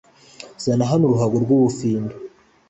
zana hano uruhago rw'ubufindo